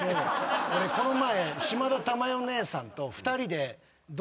俺この前。